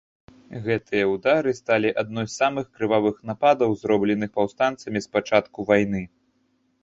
Гэтыя ўдары сталі адной з самых крывавых нападаў, зробленых паўстанцамі з пачатку вайны.